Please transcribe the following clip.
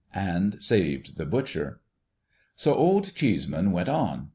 And saved the butcher. So Old Cheeseman went on.